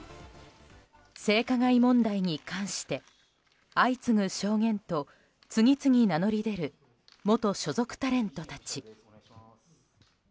性加害問題に関して相次ぐ証言と次々、名乗り出る元所属タレントたち。